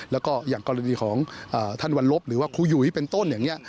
แล้วก็อย่างกรณีของท่านวันลบหรือว่าครูหยุยเป็นต้นอย่างนี้